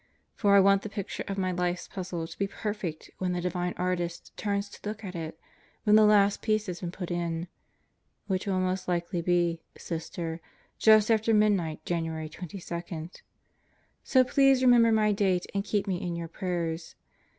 For I want the picture of my life's puzzle to be perfect when the divine Artist turns to look at it when the last piece has been put in which will most likely be, Sister, just after midnight January 22. So please remember my date and keep me in your prayers.